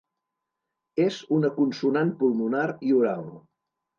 És una consonant pulmonar i oral.